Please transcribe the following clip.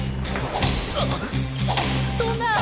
そんなぁ！